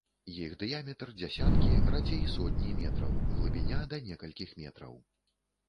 Іх дыяметр дзесяткі, радзей сотні метраў, глыбіня да некалькіх метраў.